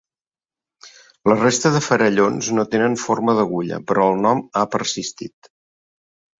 La resta de farallons no tenen forma d'agulla però el nom ha persistit.